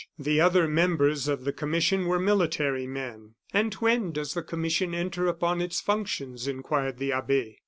The other members of the commission were military men. "And when does the commission enter upon its functions?" inquired the abbe.